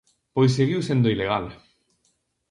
Pois seguiu sendo ilegal.